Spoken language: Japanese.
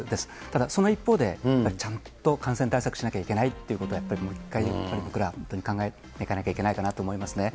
ただ、その一方で、ちゃんと感染対策しなきゃいけないということは、やっぱりもう一回、僕ら本当に考えていかないといけないかなと思いますね。